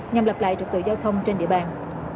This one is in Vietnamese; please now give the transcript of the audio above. nhằm lập lại trật tự giao thông trên địa bàn